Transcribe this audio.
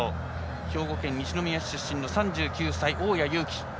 兵庫県西宮市出身の３９歳、大矢勇気。